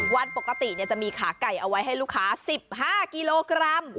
วันปกติจะมีขาไก่เอาไว้ให้ลูกค้า๑๕กิโลกรัม